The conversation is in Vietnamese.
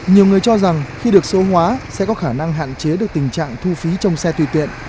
nhiều người cho rằng khi được số hóa sẽ có khả năng hạn chế được tình trạng thu phí trong xe tùy tiện